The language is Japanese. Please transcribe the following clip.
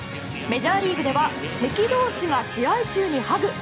メジャーリーグでは敵同士が試合中にハグ。